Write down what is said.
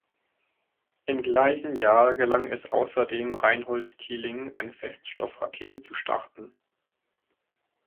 Im gleichen Jahr gelang es außerdem Reinhold Tiling, eine Feststoffrakete zu starten.